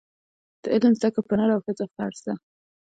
د علم زده کړه پر نر او ښځه فرض ده.